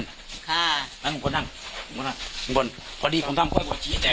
ค่ะแล้วลุงคลนั่งลุงคลนั่งลุงคลนั่งลุงคลนั่งพอดีผมทำกล้วยบัวชี้